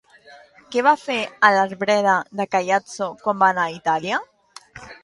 Què va fer a l'arbreda de Caiazzo quan va anar a Itàlia?